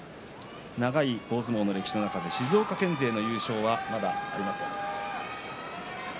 長い相撲の歴史の中で静岡県勢の優勝はまだありません。